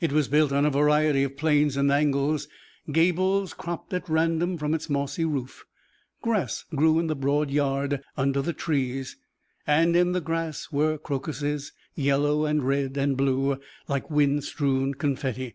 It was built on a variety of planes and angles; gables cropped at random from its mossy roof. Grass grew in the broad yard under the trees, and in the grass were crocuses, yellow and red and blue, like wind strewn confetti.